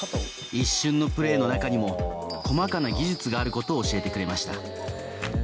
一瞬のプレーの中にも細かな技術があることを教えてくれました。